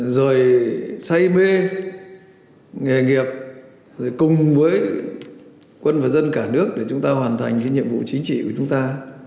rồi xây bê nghề nghiệp cùng với quân và dân cả nước để chúng ta hoàn thành nhiệm vụ chính trị của chúng ta